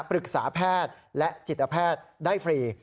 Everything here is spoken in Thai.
ปรึกษาแพทย์และจิตแพทย์ได้ฟรี